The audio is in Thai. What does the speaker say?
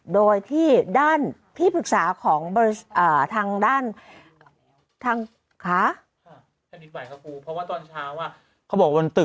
โดยที่ด้านที่ปรึกษาของอ่าทางด้านทางค่ะ